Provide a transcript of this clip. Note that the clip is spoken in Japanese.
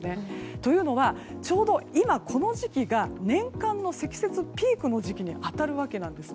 というのは、ちょうど今この時期が年間の積雪ピークの時期に当たるわけなんです。